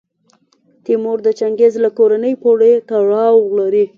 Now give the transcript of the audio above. تیمور د چنګیز له کورنۍ پورې تړاو لري.